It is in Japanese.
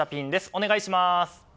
お願いします！